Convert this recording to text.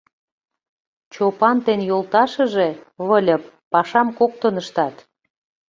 Чопан ден йолташыже, Выльып, пашам коктын ыштат.